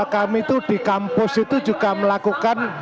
kami itu di kampus itu juga melakukan